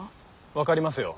分かりますよ。